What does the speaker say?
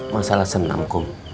masalah senam kum